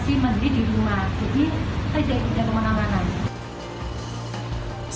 sebelumnya beberapa hari lalu kota semarang sempat dihebohkan dengan pernyataan jurubicara satgas penanganan covid sembilan belas wali kota